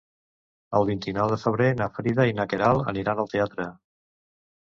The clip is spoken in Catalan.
El vint-i-nou de febrer na Frida i na Queralt aniran al teatre.